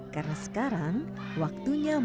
karena sekarang waktunya mati